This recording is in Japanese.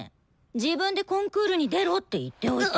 自分でコンクールに出ろって言っておいて。